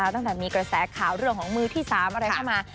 ตั้งแต่มีกระแสข่าวเรื่องของมือที่๓อะไรเข้ามา